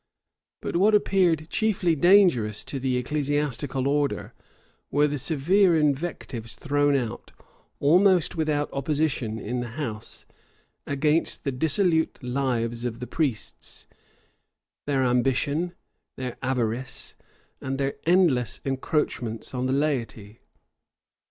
But what appeared chiefly dangerous to the ecclesiastical order, were the severe invectives thrown out, almost without opposition, in the house, against the dissolute lives of the priests, their ambition, their avarice, and their endless encroachments on the laity.